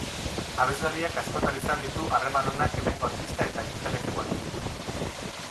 Abeslariak askotan izan ditu harreman onak hemengo artista eta intelektualekin.